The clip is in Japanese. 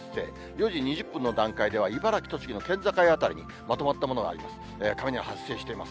４時２０分の段階では、茨城、栃木の県境辺りにまとまったものがあります。